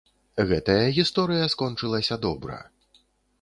Гэтая гісторыя скончылася добра.